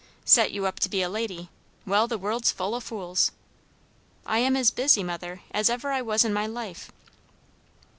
"Set you up to be a lady! Well, the world's full o' fools." "I am as busy, mother, as ever I was in my life."